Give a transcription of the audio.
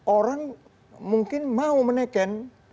orang mungkin mau meneken